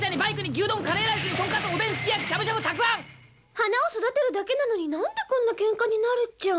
花を育てるだけなのになんでこんなケンカになるっちゃ。